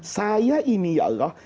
saya ini ya allah